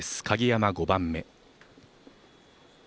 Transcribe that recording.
鍵山、５番目。